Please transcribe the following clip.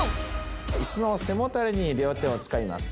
椅子の背もたれに両手をつかみます。